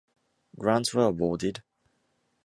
Grants were awarded.